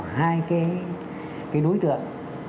hai cái đối tượng